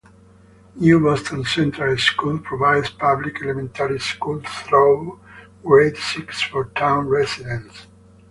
New Boston Central School provides public elementary school through grade six for town residents.